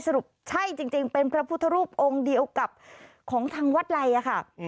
สรุปใช่จริงเป็นพระพุทธรูปองค์เดียวกับของทางวัดไลค่ะ